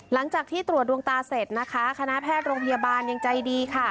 หลังจากที่ตรวจดวงตาเสร็จนะคะคณะแพทย์โรงพยาบาลยังใจดีค่ะ